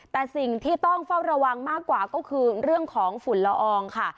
แต่สิ่งที่ต้องเฝ้าระวังมากกว่าก็คือเรื่องของฝุ่นละอองค่ะ